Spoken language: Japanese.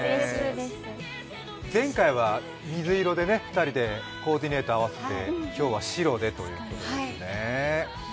前回は水色でコーディネート合わせて今日は白でということですね。